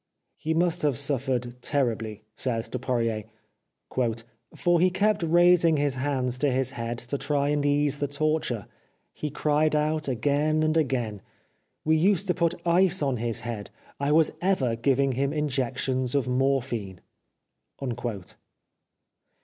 " He must have suffered terribly," says Du poirier, " for he kept raising his hands to his head to try and ease the torture. He cried out again and again. We used to put ice on his head. I was ever giving him injections of morphine."